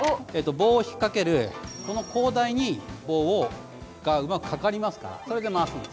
棒を引っ掛けるこの高台に棒がうまく掛かりますからそれで回すんですね。